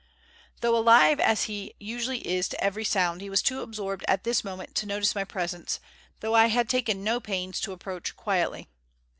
Though alive as he usually is to every sound, he was too absorbed at this moment to notice my presence, though I had taken no pains to approach quietly.